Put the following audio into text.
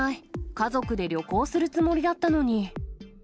家族で旅行するつもりだったのに。